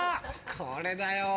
これだよ。